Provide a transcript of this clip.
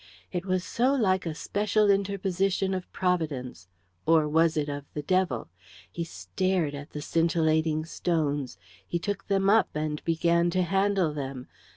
It was so like a special interposition of Providence or was it of the devil? He stared at the scintillating stones. He took them up and began to handle them.